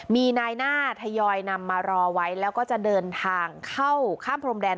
มีนายหน้าทยอยนำมารอไว้แล้วก็จะเดินทางเข้าข้ามพรมแดน